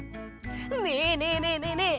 ねえねえねえねえねえ